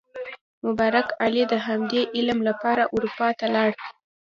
مبارک علي د همدې علم لپاره اروپا ته لاړ.